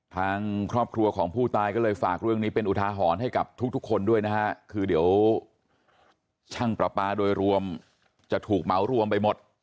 ทางครอบครัวของผู้ตายก็เลยฝากเรื่องนี้เป็นอุทาหรณ์ให้กับทุกทุกคนด้วยนะฮะคือเดี๋ยวช่างประปาโดยรวมจะถูกเหมารวมไปหมด